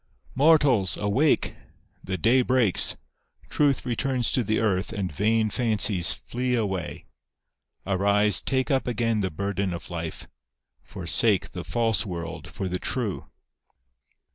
" Mortals, awake ! The day breaks ; truth returns to the earth and vain fancies flee away. Arise ; take up again the burden of life; forsake the false world for the true.